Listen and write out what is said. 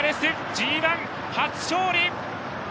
ＧＩ、初勝利！